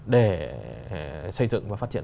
để xây dựng và phát triển